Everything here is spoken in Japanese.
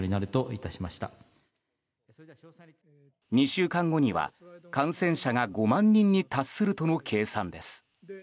２週間後には感染者が５万人に達するとの計算です。